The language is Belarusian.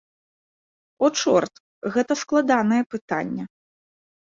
О, чорт, гэта складанае пытанне.